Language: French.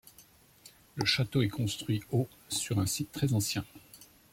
Le château est construit au sur un site très ancien.